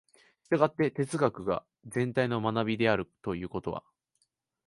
従って哲学が全体の学であるということは、